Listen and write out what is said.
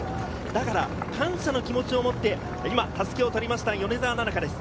だから感謝の気持ちを持って今、襷を取りました、米澤奈々香です。